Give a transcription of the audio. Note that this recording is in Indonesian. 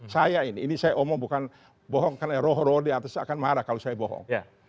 saya ini ini saya omong bukan bohong karena roh roh di atas akan marah kalau saya bohong